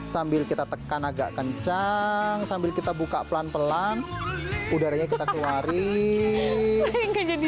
sambil kita tekan agak kencang sambil kita buka pelan pelan udaranya kita keluarin udah jadi